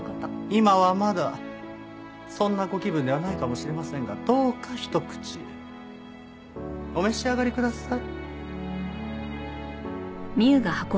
今はまだそんなご気分ではないかもしれませんがどうかひと口お召し上がりください。